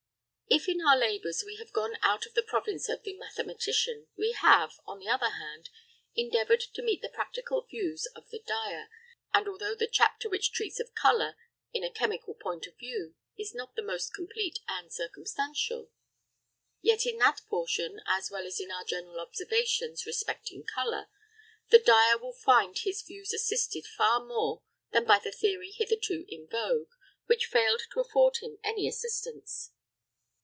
If in our labours we have gone out of the province of the mathematician, we have, on the other hand, endeavoured to meet the practical views of the dyer; and although the chapter which treats of colour in a chemical point of view is not the most complete and circumstantial, yet in that portion, as well as in our general observations respecting colour, the dyer will find his views assisted far more than by the theory hitherto in vogue, which failed to afford him any assistance.